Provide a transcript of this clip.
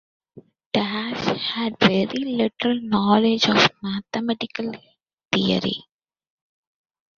Dase had very little knowledge of mathematical theory.